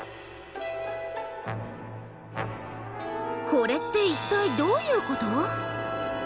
これって一体どういうこと？